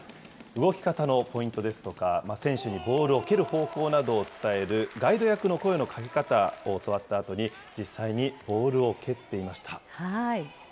動き方のポイントですとか、選手にボールを蹴る方法などを伝えるガイド役の声のかけ方を教わったあとに、実際にボールを蹴っていました。